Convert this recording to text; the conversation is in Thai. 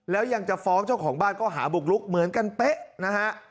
แล้วยังจะฟ้องเจ้าของบ้านก็หาบุกลุกเหมือนกันเป๊ะนะฮะ